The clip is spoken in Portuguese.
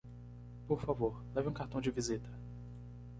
Por favor, leve um cartão de visita.